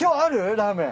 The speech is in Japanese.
ラーメン。